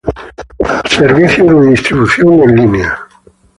Servicio de distribución en línea.